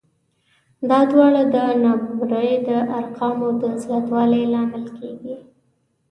دا دواړه د نابرابرۍ د ارقامو د زیاتوالي لامل کېږي